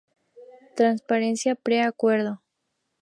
Transparencia Pre-Acuerdo.